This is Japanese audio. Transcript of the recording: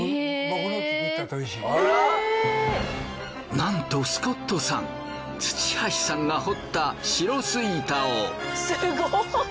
なんとスコットさん土橋さんが掘った白巣板を！